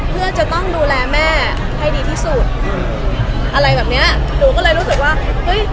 เพื่อจะต้องดูแลแม่ให้ดีที่สุดอืมอะไรแบบเนี้ยหนูก็เลยรู้สึกว่าเฮ้ย